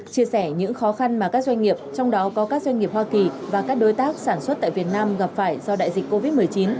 chia sẻ những khó khăn mà các doanh nghiệp trong đó có các doanh nghiệp hoa kỳ và các đối tác sản xuất tại việt nam gặp phải do đại dịch covid một mươi chín